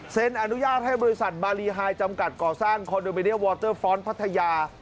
อนุญาตให้บริษัทบารีไฮจำกัดก่อสร้างคอนโดมิเนียวอเตอร์ฟ้อนต์พัทยา